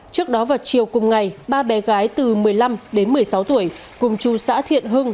trước đó vào chiều cùng ngày ba bé gái từ một mươi năm đến một mươi sáu tuổi cùng chú xã thiện hưng